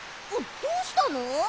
どうしたの！？